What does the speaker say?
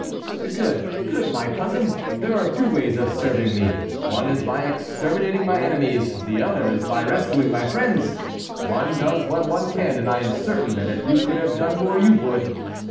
"Good—good, my cousin! there are two ways of serving me: one is by exterminating my enemies, the other is by rescuing my friends. One does what one can, and I am certain that if you could have done more you would!"